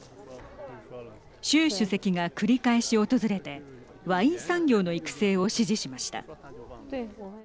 習主席が繰り返し訪れてワイン産業の育成を指示しました。